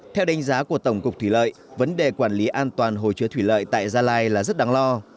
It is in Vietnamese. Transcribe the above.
theo đánh giá của tổng cục thủy lợi vấn đề quản lý an toàn hồ chứa thủy lợi tại gia lai là rất đáng lo